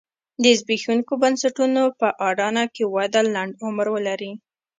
د زبېښونکو بنسټونو په اډانه کې وده لنډ عمر ولري.